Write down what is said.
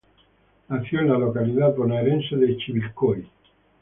Nació en la localidad bonaerense de Chivilcoy.